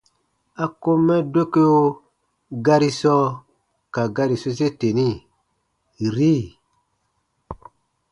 A kom mɛ dokeo gari sɔɔ ka gari sose teni: “-ri”.